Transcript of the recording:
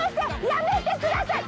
やめてください！